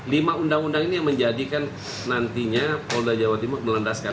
lima undang undang ini yang menjadikan nantinya polda jawa timur melandaskan